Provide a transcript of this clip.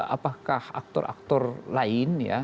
apakah aktor aktor lain ya